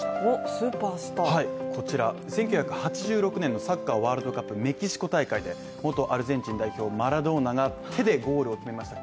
スーパースター、こちら１９８６年のサッカーワールドカップメキシコ大会で、元アルゼンチン代表マラドーナ氏が手でゴールを決めました。